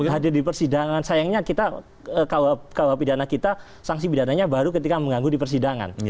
hadir di persidangan sayangnya kita kuh pidana kita sanksi pidananya baru ketika mengganggu di persidangan